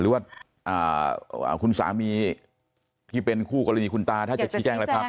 หรือว่าคุณสามีที่เป็นคู่กรณีคุณตาถ้าจะชี้แจ้งอะไรความ